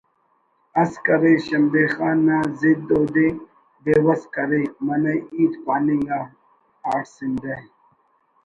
اس کرے شمبے خان نا ضد اودے بیو س کرے منہ ہیت پاننگ آ…… آڑسندہ